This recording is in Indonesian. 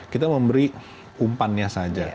kita memberi umpannya saja